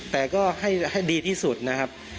แต่ก็ให้ดีที่สุดนะครับ